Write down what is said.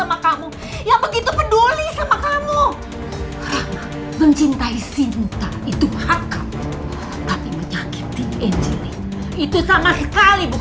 aku bingung sama hidup aku